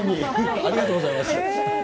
ありがとうございます。